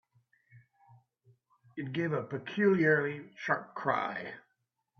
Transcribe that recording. It gave a peculiarly sharp cry.